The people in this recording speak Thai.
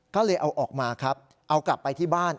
ก็เลยเอาออกมาครับเอากลับไปที่บ้าน